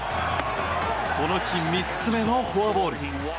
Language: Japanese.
この日３つ目のフォアボール。